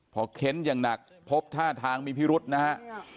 พอเค้นอย่างหนักพบท่าทางมีพิรุษนะฮะ